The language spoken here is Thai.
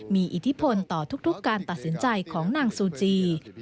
มีอิทธิพลต่อทุกการตัดสินใจของนางซูจี